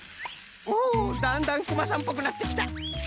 おおだんだんクマさんっぽくなってきた！